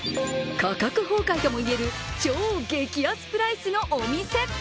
価格崩壊ともいえる超激安プライスのお店。